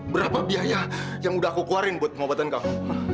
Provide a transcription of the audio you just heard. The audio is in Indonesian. berapa biaya yang udah aku keluarin buat pengobatan kamu